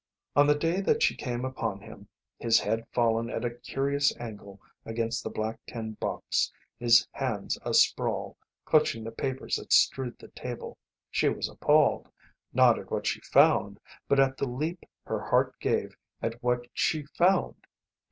On the day that she came upon him, his head fallen at a curious angle against the black tin box, his hands, asprawl, clutching the papers that strewed the table, she was appalled, not at what she found, but at the leap her heart gave at what she found.